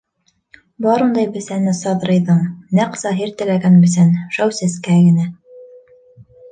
Бар ундай бесәне Саҙрыйҙың, нәҡ Заһир теләгән бесән, шау сәскә генә.